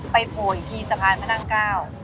ไปโหยที่สะพานพะน๊างก้าว